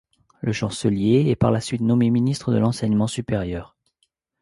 Le chancelier est par la suite nommé ministre de l'enseignement supérieur.